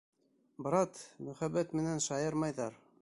Брат, мөхәббәт менән шаярмайҙар.